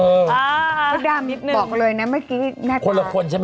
สักนิดนึงอ๋อพูดเพราะจะบอกเลยนะเมื่อกี้หน้าตาคนละคนใช่ไหม